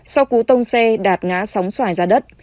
sau cú tông xe đạp ngã sóng xoài ra đất